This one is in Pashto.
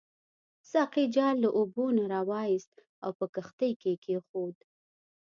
ساقي جال له اوبو نه راوایست او په کښتۍ کې کېښود.